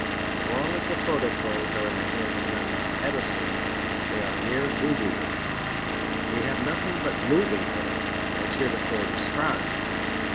As long as the photoplays are in the hands of men like Edison they are mere voodooism. We have nothing but Moving Day, as heretofore described.